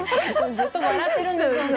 ずっと笑ってるんですよね